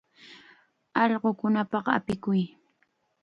Allqukunapaq apikuy.